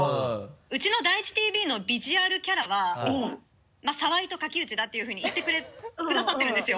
ウチの第一ＴＶのビジュアルキャラは澤井と垣内だっていうふうに言ってくださってるんですよ。